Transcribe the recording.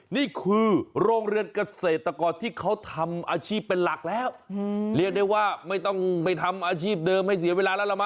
นี่คือโรงเรียนเกษตรก่อนที่เขาทำอาชีพเป็นหลักแล้ว